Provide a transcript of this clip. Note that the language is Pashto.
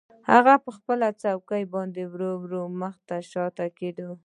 هغه په خپله څوکۍ باندې ورو ورو مخ او شا کیده